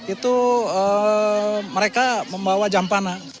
itu mereka membawa jampana